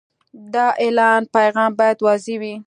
د اعلان پیغام باید واضح وي.